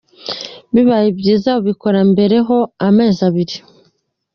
Bibaye byiza wabikora mbere ho amezi abiri.